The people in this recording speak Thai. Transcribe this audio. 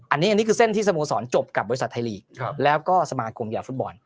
อันนี้คือเส้นที่สมุทรสอนจบกับบริษัทไทยหลีกแล้วก็สมากรุงเกี่ยวกับฟุตบอล